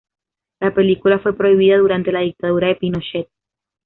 La película fue prohibida durante la dictadura de Pinochet.